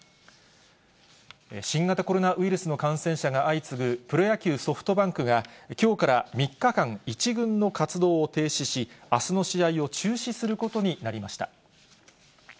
新型コロナウイルスの感染者が相次ぐプロ野球・ソフトバンクが、きょうから３日間、１軍の活動を停止し、あすの試合を中止することになりました。